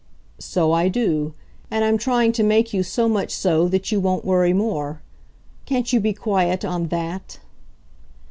"So I do and I'm trying to make you so much so that you won't worry more. Can't you be quiet on THAT?"